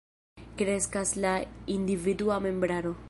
Kreskas la individua membraro.